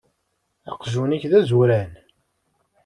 Aqjun-ik d azuran.